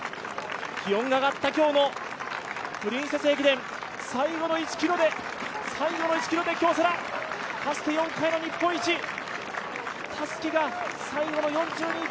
気温が上がった今日のプリンセス駅伝、最後の１ｋｍで最後の１ｋｍで京セラ、かつて４回の日本一たすきが最後の４２．１９５ｋｍ。